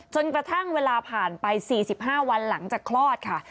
จนกระทั่งเวลาผ่านไป๔๕วันหลังจากคลอดค่ะ